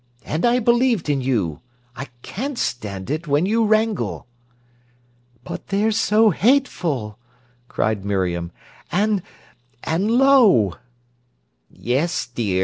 "And I believed in you. I can't stand it when you wrangle." "But they're so hateful!" cried Miriam, "and—and low." "Yes, dear.